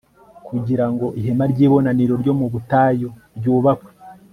kugira ngo ihema ry'ibonaniro ryo mu butayu ryubakwe